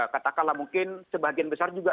katakanlah mungkin sebagian besar juga